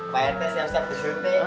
pak rt siap siap disuntik